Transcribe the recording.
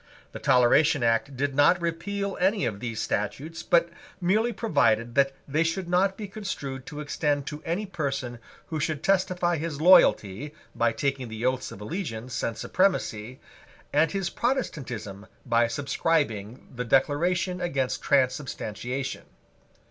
The Toleration Act did not repeal any of these statutes, but merely provided that they should not be construed to extend to any person who should testify his loyalty by taking the Oaths of Allegiance and Supremacy, and his Protestantism by subscribing the Declaration against Transubstantiation.